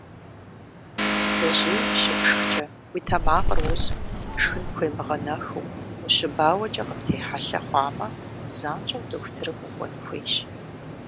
Бдзэжьей щыпшхкӏэ, уи тэмакъыр узу, шхын пхуемыгъэнэхыу, ущыбауэкӏэ къыптехьэлъэ хъуамэ, занщӏэу дохутырым укӏуэн хуейщ.